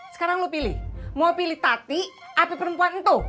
sekarang lo pilih mau pilih tati apa perempuan itu